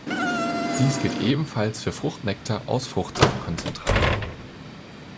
Dies gilt ebenfalls für Fruchtnektar aus Fruchtsaftkonzentrat.